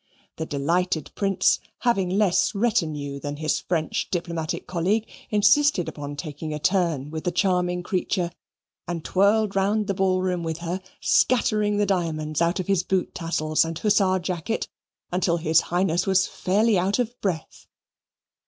The delighted Prince, having less retenue than his French diplomatic colleague, insisted upon taking a turn with the charming creature, and twirled round the ball room with her, scattering the diamonds out of his boot tassels and hussar jacket until his Highness was fairly out of breath.